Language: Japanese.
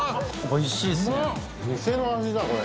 塙：店の味だ、これ。